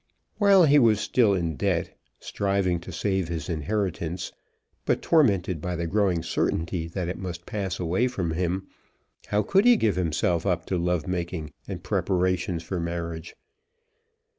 While he was still in debt, striving to save his inheritance, but tormented by the growing certainty that it must pass away from him, how could he give himself up to love making and preparations for marriage?